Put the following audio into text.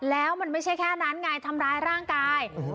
แล้วมันไม่ใช่แค่นั้นไงทำร้ายร่างกาย